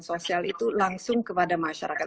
sosial itu langsung kepada masyarakat